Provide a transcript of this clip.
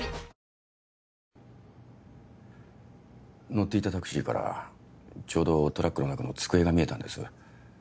乗っていたタクシーからちょうどトラックの中の机が見えたんです